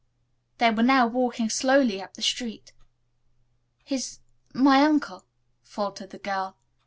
They were now walking slowly up the street. "He's my uncle," faltered the girl.